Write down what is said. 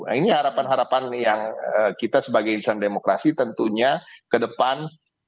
nah ini harapan harapan yang kita sebagai insan demokrasi tentunya ke depan